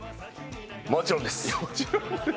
もちろんです！